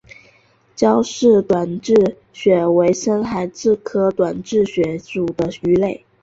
焦氏短稚鳕为深海鳕科短稚鳕属的鱼类。